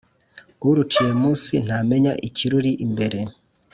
Uruciye mu nsi ntamenya ikiruri imbere.